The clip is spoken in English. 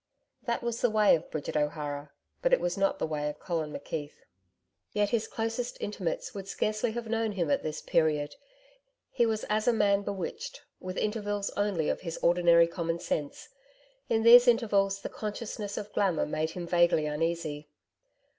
That was the way of Bridget O'Hara, but it was not the way of Colin McKeith. Yet his closest intimates would scarcely have known him at this period. He was as a man bewitched, with intervals only of his ordinary commonsense. In these intervals the consciousness of glamour made him vaguely uneasy.